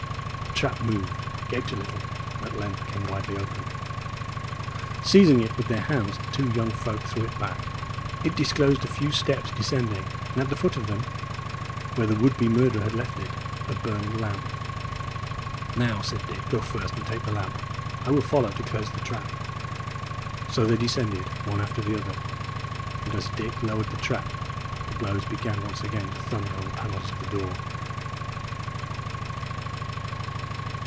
The trap moved, gaped a little, and at length came widely open. Seizing it with their hands, the two young folk threw it back. It disclosed a few steps descending, and at the foot of them, where the would be murderer had left it, a burning lamp. "Now," said Dick, "go first and take the lamp. I will follow to close the trap." So they descended one after the other, and as Dick lowered the trap, the blows began once again to thunder on the panels of the door.